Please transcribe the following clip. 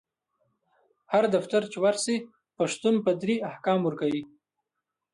هر دفتر چی ورشي پشتون په دري احکام ورکوي